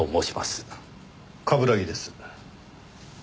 冠城です。